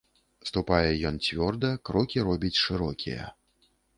Ступае ён цвёрда, крокі робіць шырокія.